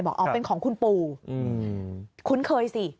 บอกอ๋อเป็นของคุณปู่คุ้นเคยสิ